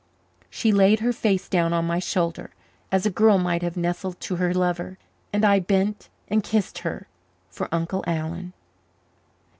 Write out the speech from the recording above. She laid her face down on my shoulder, as a girl might have nestled to her lover, and I bent and kissed her for Uncle Alan.